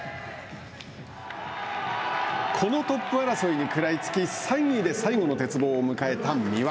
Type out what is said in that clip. このトップ争いに食らいつき、３位で最後の鉄棒を迎えた三輪。